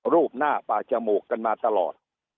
รูปหน้าปากจมูกกันมาตลอด